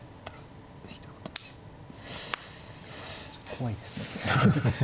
怖いですね。